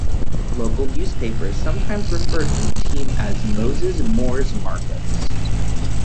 Local newspapers sometimes referred to the team as Moses Moore's Marcos.